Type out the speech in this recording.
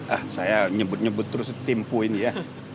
ah saya nyebut nyebut terus tempo ini ya